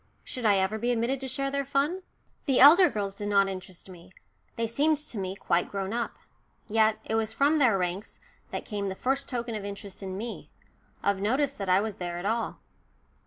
Should I ever be admitted to share their fun? The elder girls did not interest me. They seemed to me quite grown up. Yet it was from their ranks that came the first token of interest in me of notice that I was there at all.